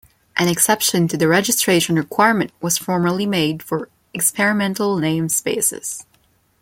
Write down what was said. An exception to the registration requirement was formerly made for "experimental namespaces".